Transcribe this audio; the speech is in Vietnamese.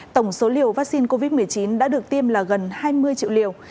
tổng số liều vaccine covid một mươi chín đã được tiêm là gần hai mươi triệu liều